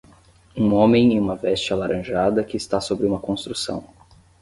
Um homem em uma veste alaranjada que está sobre uma construção.